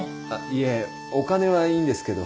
いえお金はいいんですけど。